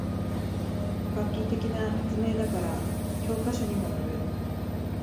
画期的な発明だから教科書にものる